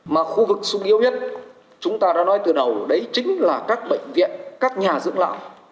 mà khu vực sung yếu nhất chúng ta đã nói từ đầu đấy chính là các bệnh viện các nhà dưỡng lão